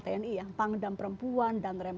tni ya pangdam perempuan dan rem